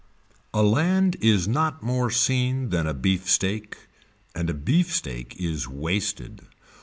A land is not more seen than a beefsteak and a beefsteak is wasted.